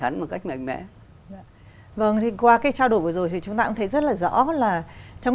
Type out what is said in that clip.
ngắn một cách mạnh mẽ vâng thì qua cái trao đổi vừa rồi thì chúng ta cũng thấy rất là rõ là trong